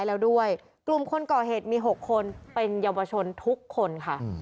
แล้วด้วยกลุ่มคนก่อเหตุมี๖คนเป็นเยาวชนทุกคนค่ะ